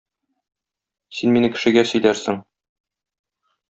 Син мине кешегә сөйләрсең.